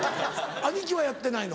兄貴はやってないの？